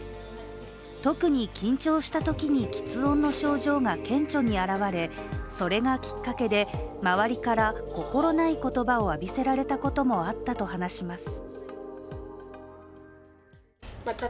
特に緊張したときにきつ音の症状が顕著に表れそれがきっかけで、周りから心ない言葉を浴びせられたこともあったと話します。